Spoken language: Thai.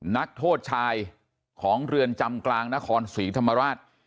นักโทษชายของเรือนจำกลางนครศรีธรรมราช